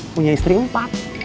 punya istri empat